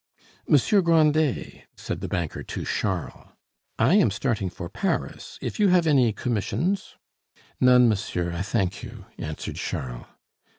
"Monsieur Grandet," said the banker to Charles, "I am starting for Paris; if you have any commissions " "None, monsieur, I thank you," answered Charles.